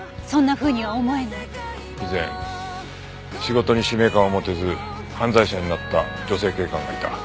以前仕事に使命感を持てず犯罪者になった女性警官がいた。